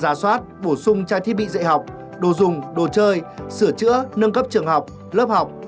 giả soát bổ sung trang thiết bị dạy học đồ dùng đồ chơi sửa chữa nâng cấp trường học lớp học